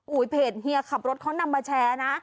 เพจเฮียขับรถเขานำมาแชร์นะ